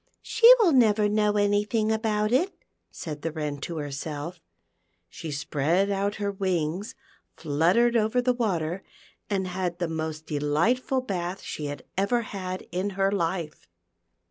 "She will never know anything about it," said the Wren to herself She spread out her wings, fluttered over the water, and had the most delightful bath she had ever had in her life.